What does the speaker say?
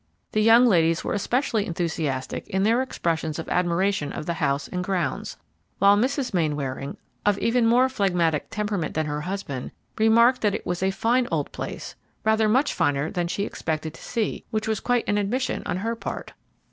The young ladies were especially enthusiastic in their expressions of admiration of the house and grounds, while Mrs. Mainwaring, of even more phlegmatic temperament than her husband, remarked that it was a fine old place, really much finer than she expected to see, which was quite an admission on her part.